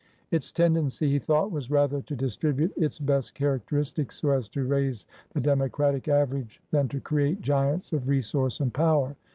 Its ten dency, he thought, was rather to distribute its best characteristics so as to raise the democratic average than to create giants of resource and power.